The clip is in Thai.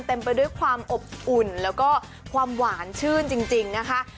ไปด้วยความอบอุ่นแล้วก็ความหวานชื่นจริงนะคะ